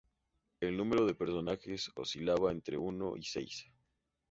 El número de personajes oscilaba entre uno y seis.